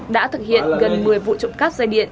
đã thực hiện gần một mươi vụ trụng cắt dây điện